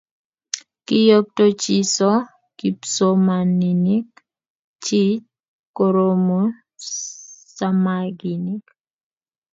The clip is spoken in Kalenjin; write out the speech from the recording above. Kiiyokto chiso kipsomaninik chich koromu samakinik